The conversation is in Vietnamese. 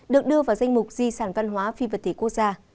được đưa vào danh mục di sản văn hóa phi vật thể quốc gia